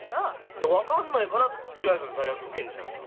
いや分かんないからとりあえず大学受けんじゃんか。